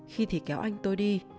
khi thì kéo anh tôi đi